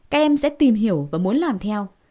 các em sẽ tìm hiểu và muốn làm theo